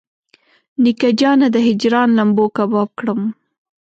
نیکه جانه د هجران لمبو کباب کړم.